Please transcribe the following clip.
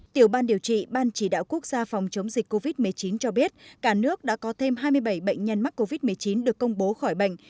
tiểu ban điều trị ban chỉ đạo quốc gia phòng chống dịch covid một mươi chín cho biết cả nước đã có thêm hai mươi bảy bệnh nhân mắc covid một mươi chín được công bố khỏi bệnh